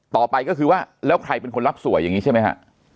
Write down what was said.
ต่อไปก็คือว่าแล้วใครเป็นคนรับสวยอย่างนี้ใช่ไหมฮะ